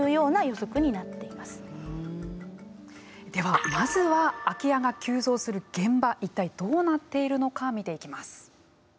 ではまずは空き家が急増する現場一体どうなっているのか見ていきます。